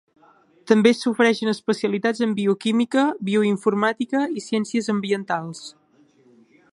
També s'ofereixen especialitats en Bioquímica, Bioinformàtica i Ciències Ambientals.